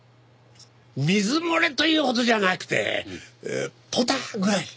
水漏れというほどじゃなくてポタッぐらい。